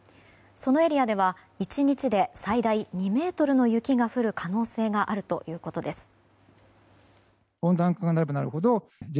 そのエリアでは１日で最大２ｍの雪が降る可能性があるということです。